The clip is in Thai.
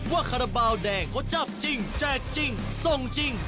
คาราบาลแดงเขาจับจริงแจกจริงส่งจริง